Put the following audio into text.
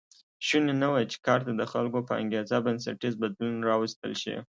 شونې نه وه چې کار ته د خلکو په انګېزه بنسټیز بدلون راوستل شي